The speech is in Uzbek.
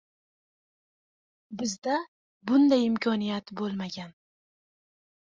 “Bizda bunday imkoniyat bo‘lmagan”